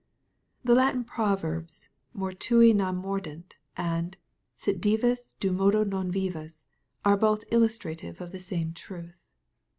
The Latin proverbs " mortui non mordent,'' and " sit divus, duin* modo non vivus," are both illustrative of the same truth.